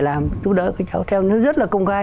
làm chú đỡ các cháu theo nó rất là công khai